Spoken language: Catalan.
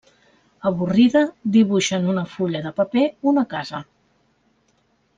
Avorrida, dibuixa en una fulla de paper una casa.